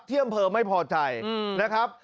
เที่ยมเพิ่มไม่พอใจนะครับ